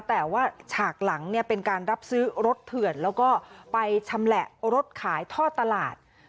แต่ว่าฉากหลังเนี่ยเป็นการรับซื้อรถเถื่อนแล้วก็ไปชำแหละรถขายท่อตลาด